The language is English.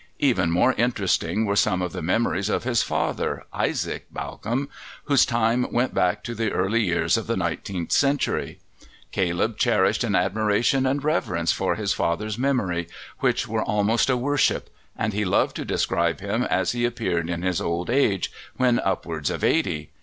Even more interesting were some of the memories of his father, Isaac Bawcombe, whose time went back to the early years of the nineteenth century. Caleb cherished an admiration and reverence for his father's memory which were almost a worship, and he loved to describe him as he appeared in his old age, when upwards of eighty.